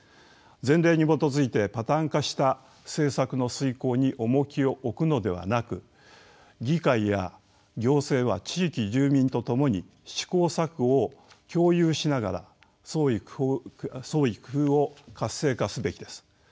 前例に基づいてパターン化した政策の遂行に重きを置くのではなく議会や行政は地域住民とともに試行錯誤を共有しながら創意工夫を活性化すべきです。